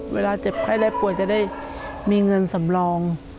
เจ็บไข้ได้ป่วยจะได้มีเงินสำรอง